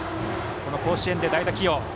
この甲子園で代打起用。